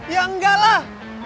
ya enggak lah